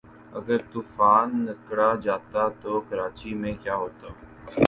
اگر طوفان ٹکرا جاتا تو کراچی میں کیا ہوتا